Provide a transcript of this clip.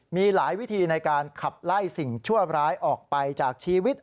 มีหลายวิธีในการขับไล่สิ่งชั่วร้ายออกไปจากชีวิต